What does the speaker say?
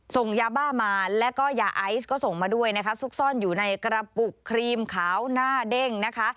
ส่งยาบ้ามาแล้วก็ยาไอซ์ก็ส่งมาด้วยนะคะซุกซ่อนอยู่ในกระปุกครีมขาวหน้าเด้งนะคะ